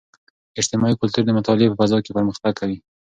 اجتماعي کلتور د مطالعې په فضاء کې پرمختګ کوي.